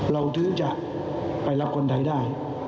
เราถึงจะไปรับคนไทยได้